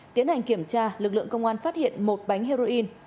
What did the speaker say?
tiến hành kiểm tra lực lượng công an phát hiện một bánh heroin